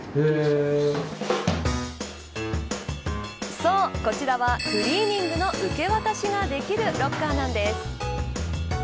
そう、こちらはクリーニングの受け渡しができるロッカーなんです。